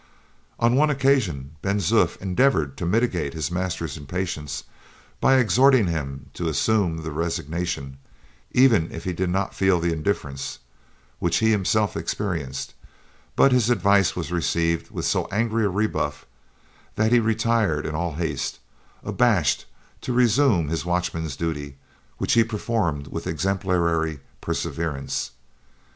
On one occasion Ben Zoof endeavored to mitigate his master's impatience by exhorting him to assume the resignation, even if he did not feel the indifference, which he himself experienced; but his advice was received with so angry a rebuff that he retired in all haste, abashed, to résumé his watchman's duty, which he performed with exemplary perseverance.